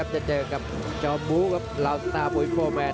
จะเจอกับจอมบุ๊กและลาวสตาร์บุยโฟร์แมน